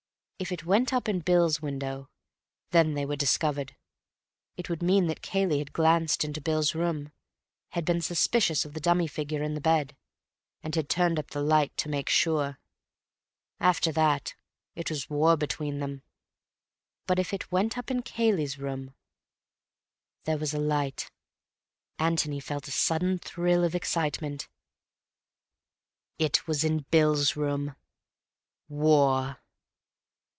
If it went up in Bill's window, then they were discovered. It would mean that Cayley had glanced into Bill's room, had been suspicious of the dummy figure in the bed, and had turned up the light to make sure. After that, it was war between them. But if it went up in Cayley's room— There was a light. Antony felt a sudden thrill of excitement. It was in Bill's room. War!